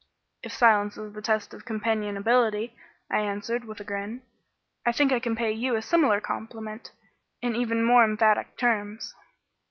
"If silence is the test of companionability," I answered, with a grin, "I think I can pay you a similar compliment in even more emphatic terms."